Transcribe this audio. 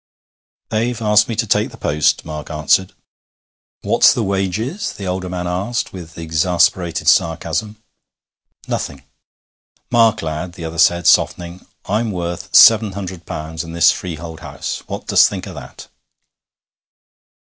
'They've asked me to take the post,' Mark answered. 'What's the wages?' the older man asked, with exasperated sarcasm. 'Nothing.' 'Mark, lad,' the other said, softening, 'I'm worth seven hundred pounds and this freehold house. What dost think o' that?'